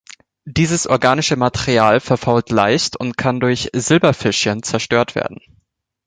Dieses organische Material verfault leicht und kann durch Silberfischchen zerstört werden.